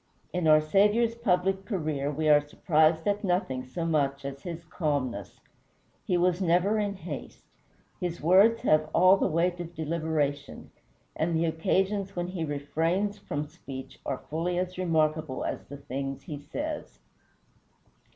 In our Saviour's public career we are surprised at nothing so much as his calmness. He was never in haste. His words have all the weight of deliberation, and the occasions when he refrains from speech are fully as remarkable as the things he says.